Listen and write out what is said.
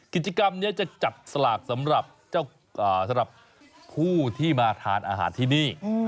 กิจกรรมนี้จะจัดสลากสำหรับผู้ที่มาทานอาหารที่นี่